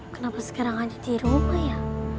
kenapa sekarang hanya di rumah ya